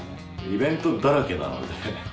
イベントだらけなので。